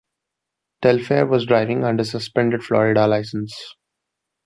Telfair was driving under a suspended Florida license.